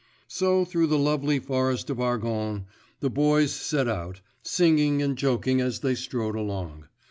So, through the lovely forest of Argonne, the boys set out, singing and joking as they strode along.